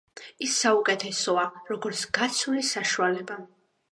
ის საუკეთესოა, როგორც გაცვლის საშუალება.